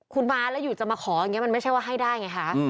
คุณมาแล้วอยู่จะมาขออย่างนี้มันไม่ใช่ว่าให้ได้ไงคะ